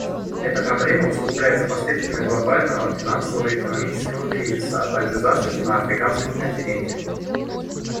Эта проблема усугубляется последствиями глобального финансово-экономического кризиса, а также засухи на Африканском континенте.